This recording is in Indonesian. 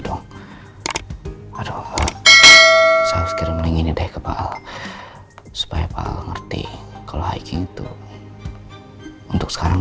dong aduh saya kirim link ini deh ke pak al supaya pak al ngerti kalau hiking itu untuk sekarang